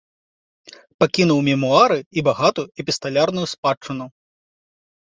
Пакінуў мемуары і багатую эпісталярную спадчыну.